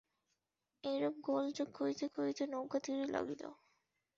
এইরূপ গোলযোগ করিতে করিতে নৌকা তীরে লাগিল।